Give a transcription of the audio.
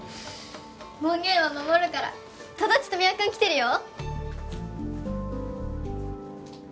門限は守るからとどっちと三輪君来てるよ